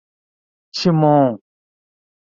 Timon